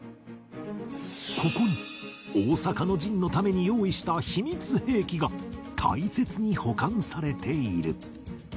ここに大坂の陣のために用意した秘密兵器が大切に保管されている